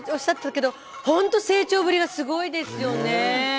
本当に成長ぶりがすごいですよね。